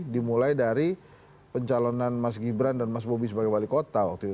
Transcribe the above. dimulai dari pencalonan mas gibran dan mas bobi sebagai wali kota waktu itu